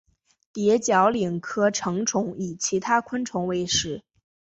蝶角蛉科成虫以其他昆虫为食。